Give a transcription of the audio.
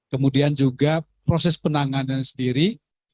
kemudian juga proses penanganan sendiri